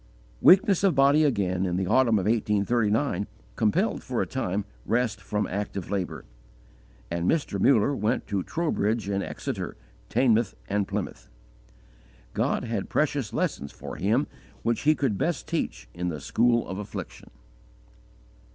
Weakness of body again, in the autumn of 1839, compelled, for a time, rest from active labour, and Mr. Muller went to Trowbridge and Exeter, Teignmouth and Plymouth. God had precious lessons for him which He could best teach in the school of affliction.